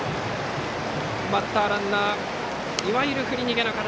バッターランナーいわゆる振り逃げの形。